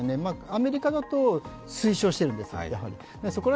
アメリカだと、推奨しているんですそこ